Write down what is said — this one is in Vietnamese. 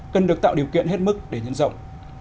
cần được tạo điều kiện hết mức để nhân rộng